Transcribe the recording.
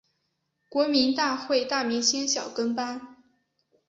国民大会大明星小跟班